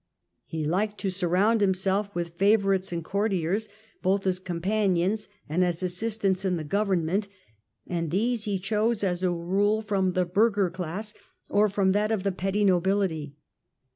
He Hked to surround himself with favourites and courtiers, both as companions and as assistants in the government, and these he chose as a rule from the burgher class, or from that of the petty nobility.